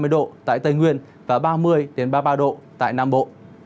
hai mươi bảy ba mươi độ tại tây nguyên và ba mươi ba mươi ba độ tại nam bộ